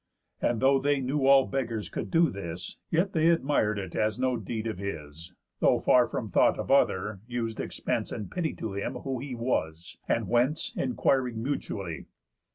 And though they knew all beggars could do this, Yet they admir'd it as no deed of his; Though far from thought of other, us'd expence And pity to him, who he was, and whence, Inquiring mutually.